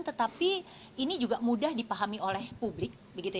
tetapi ini juga mudah dipahami oleh publik